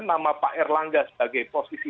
nama pak erlangga sebagai posisi